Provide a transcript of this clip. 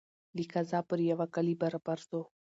له قضا پر یوه کلي برابر سو